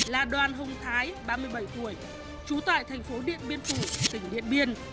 là đoàn hùng thái ba mươi bảy tuổi trú tại thành phố điện biên phủ tỉnh điện biên